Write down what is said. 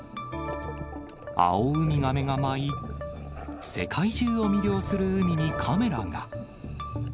アオウミガメが舞い、世界中を魅了する海にカメラが。